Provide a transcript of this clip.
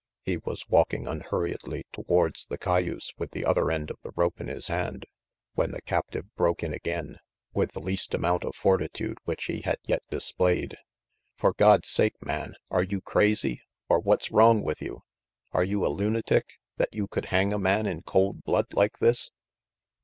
He was walking unhur riedly towards the cayuse with the other end of the, rope in his hand when the captive broke in again, with the least amount of fortitude which he had yet displayed. "For God's sake, man, are you crazy, or what's wrong with you? Are you a lunatic, that you could hang a man in cold blood like this?"